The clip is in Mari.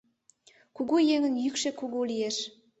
Кугу еҥын йӱкшӧ кугу лиеш.